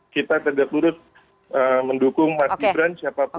kita tegak lurus mendukung mas gibran siapapun